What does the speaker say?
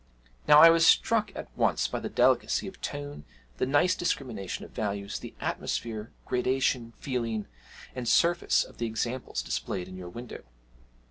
Now I was struck at once by the delicacy of tone, the nice discrimination of values, the atmosphere, gradation, feeling, and surface of the examples displayed in your window.'